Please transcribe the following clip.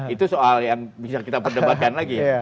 itu soal yang bisa kita perdebatkan lagi